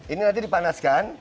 ini nanti dipanaskan